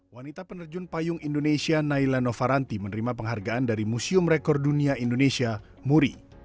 wanita penerjun payung indonesia naila novaranti menerima penghargaan dari museum rekor dunia indonesia muri